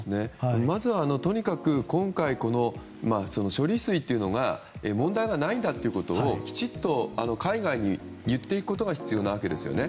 まずはとにかく今回処理水というのが問題がないんだということをきちっと海外に言っていくことが必要なわけですよね。